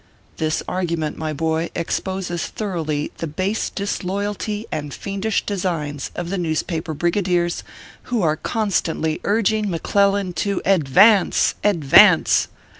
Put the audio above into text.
This argument, my boy, exposes thoroughly the base disloyalty and fiendish designs of the newspaper brigadiers who are constantly urging McClellan to advance advance